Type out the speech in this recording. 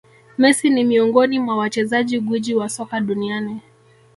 Messi ni miongoni mwa wachezaji gwiji wa soka duniani